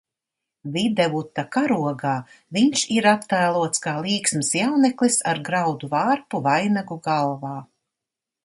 Videvuta karogā viņš ir attēlots kā līksms jauneklis ar graudu vārpu vainagu galvā.